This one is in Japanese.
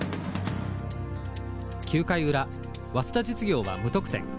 ９回裏早稲田実業は無得点。